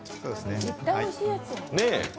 絶対おいしいやつ。